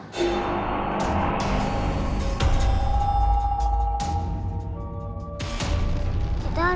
bukan salah bu janet